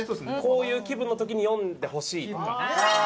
こういう気分の時に読んでほしいとか。